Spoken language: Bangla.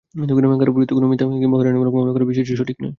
কারও বিরুদ্ধে কোনো মিথ্যা কিংবা হয়রানিমূলক মামলা করার বিষয়টি সঠিক নয়।